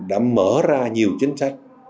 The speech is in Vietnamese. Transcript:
đã mở ra nhiều chính sách